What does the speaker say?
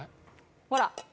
ほら。